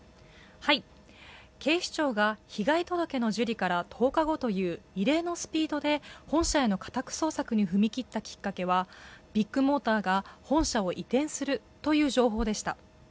警視庁が被害届の受理から１０日後という異例のスピードで本社への家宅捜索に踏み切ったきっかけはビッグモーターが本社を移転するという情報でした。